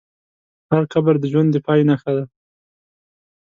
هر قبر د ژوند د پای نښه ده.